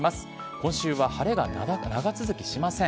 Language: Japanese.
今週は晴れが長続きしません。